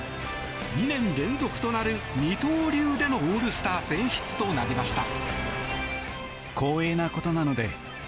２年連続となる二刀流でのオールスター選出となりました。